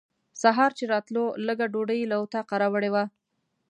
سهار چې راتلو لږه ډوډۍ له اطاقه راوړې وه.